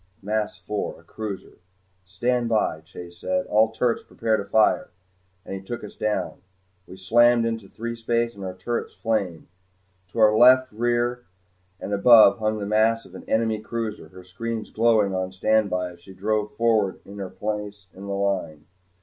Mass four: a cruiser. "Stand by," Chase said. "All turrets prepare to fire." And he took us down. We slammed into threespace and our turrets flamed. To our left rear and above hung the mass of an enemy cruiser, her screens glowing on standby as she drove forward to her place in the line.